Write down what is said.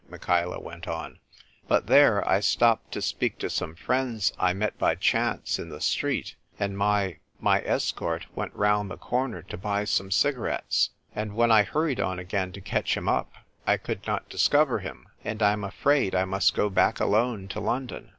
Michaela went on ;" but there I stopped to speak to some friends I met by chance in the street, and my — my escort went round the corner to buy some cigarettes ; and when I hurried on again to catch him up, I could not discover him ; and I'm afraid I must go back alone to London."